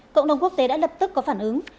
cộng đồng quốc tế đã lập tức có phản ứng